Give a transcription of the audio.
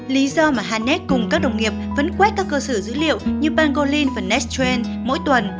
lý do mà hanech cùng các đồng nghiệp vẫn quét các cơ sở dữ liệu như pangolin và nexttrend mỗi tuần